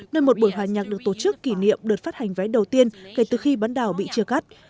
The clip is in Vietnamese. nơi một buổi hòa nhạc được tổ chức kỷ niệm đợt phát hành vé đầu tiên kể từ khi bắn đảo bị chia cắt